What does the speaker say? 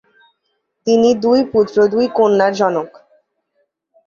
তিনি দুই পুত্র, দুই কন্যার জনক।